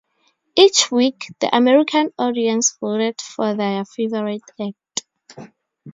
Each week, the American audience voted for their favourite act.